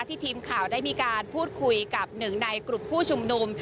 ทีมข่าวได้มีการพูดคุยกับหนึ่งในกลุ่มผู้ชุมนุม